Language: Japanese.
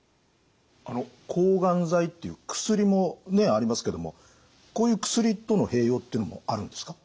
あの抗がん剤っていう薬もありますけどもこういう薬との併用っていうのもあるんですか？